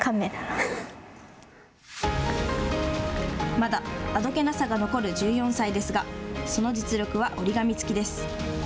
まだあどけなさが残る１４歳ですがその実力は折り紙付きです。